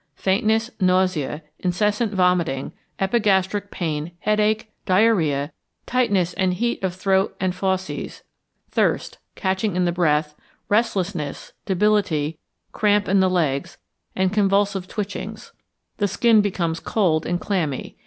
Faintness, nausea, incessant vomiting, epigastric pain, headache, diarrhoea, tightness and heat of throat and fauces, thirst, catching in the breath, restlessness, debility, cramp in the legs, and convulsive twitchings. The skin becomes cold and clammy.